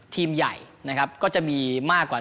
ทีมใหญ่นะครับก็จะมีมากกว่า